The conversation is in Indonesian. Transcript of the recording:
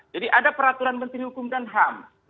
jadi ada peraturan menteri hukum dan ham